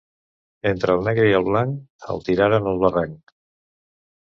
Entre el negre i el blanc, el tiraren al barranc.